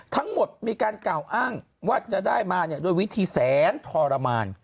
ทั้งหมดมีการกล่าวอ้างว่าจะได้มาโดยวิธีแสนทรมาน